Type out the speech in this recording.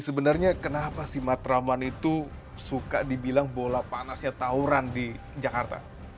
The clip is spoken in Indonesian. sebenarnya kenapa si matraman itu suka dibilang bola panasnya tauran di jakarta